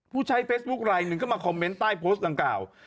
ผู้ใช้เฟซบุ๊คไลนึงก็มาคอมเมนต์ใต้โพสต์ดังกล่าว